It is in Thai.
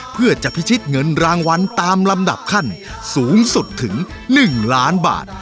เพื่อจะพิชิตเงินรางวัลตามลำดับขั้นสูงสุดถึง๑ล้านบาท